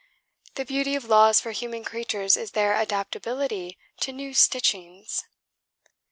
The beauty of laws for human creatures is their adaptability to new stitchings."